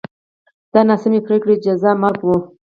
د ناسمې پرېکړې جزا مرګ و